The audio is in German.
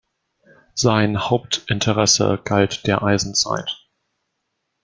Sein Hauptinteresse galt der Eisenzeit.